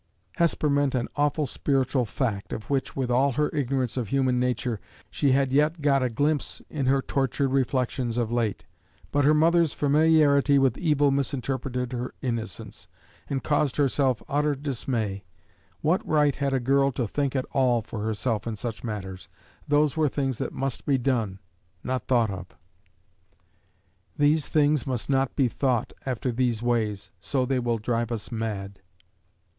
Hesper meant an awful spiritual fact, of which, with all her ignorance of human nature, she had yet got a glimpse in her tortured reflections of late; but her mother's familiarity with evil misinterpreted her innocence, and caused herself utter dismay. What right had a girl to think at all for herself in such matters? Those were things that must be done, not thought of! "These things must not be thought After these ways; so, they will drive us mad."